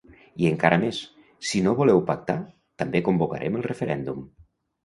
I encara més: Si no voleu pactar, també convocarem el referèndum.